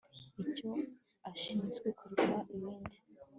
icyo ashinzwe kurusha ibindi